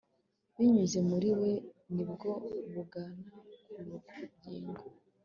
Binyuze muri we ni bwo bugana ku bugingo